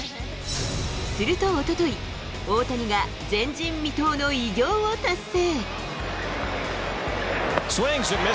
するとおととい、大谷が前人未到の偉業を達成。